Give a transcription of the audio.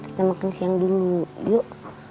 kita makan siang dulu yuk